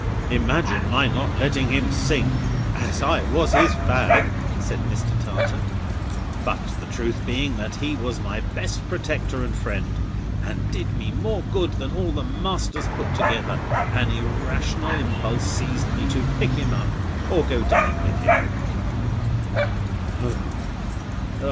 "Imagine my not letting him sink, as I was his fag!" said Mr. Tartar. "But the truth being that he was my best protector and friend, and did me more good than all the masters put together, an irrational impulse seized me to pick him up, or go down with him." "Hem!